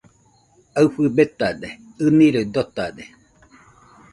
Aɨfɨ betade, ɨniroi dotade